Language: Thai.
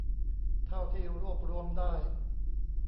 เท่าที่รวบรวมได้